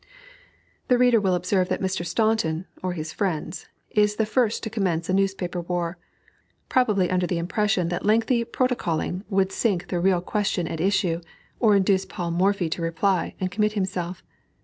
] The reader will observe that Mr. Staunton (or his friends) is the first to commence a newspaper war, probably under the impression that lengthy protocoling would sink the real question at issue, or induce Paul Morphy to reply, and commit himself.